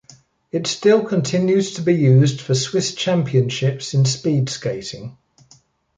It still continues to be used for Swiss Championships in speed skating.